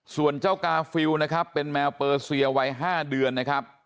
ส่วนเจ้ากาฟิลนะครับเป็นแมวเปอร์เซียวัย๕เดือนนะครับ